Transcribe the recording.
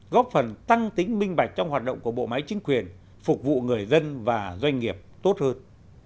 góp phần tăng tính minh bạch trong hoạt động của bộ máy chính quyền phục vụ người dân và doanh nghiệp tốt hơn